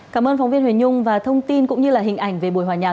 cảm ơn phóng viên huỳnh nhung và thông tin cũng như là hình ảnh về buổi hòa nhạc